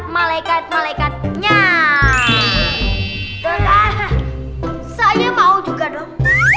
malaikat malaikatnya saya mau juga dong